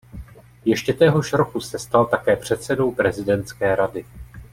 Ještě téhož roku se stal také předsedou prezidentské rady.